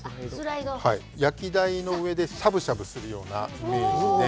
焼き台の上でしゃぶしゃぶするようなイメージで。